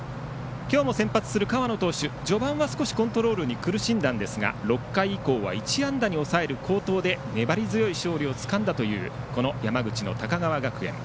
今日も先発する河野投手は序盤はコントロールに苦しんだんですが６回以降、１安打に抑える好投で粘り強く勝利をつかんだという山口の高川学園。